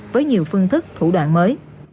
với nhiều phương thức thủ đoạn mới